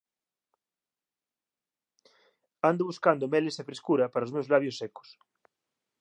Ando buscando meles e frescura para os meus labios secos.